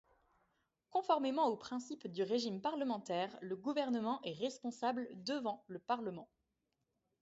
Conformément aux principes du régime parlementaire le Gouvernement est responsable devant le Parlement.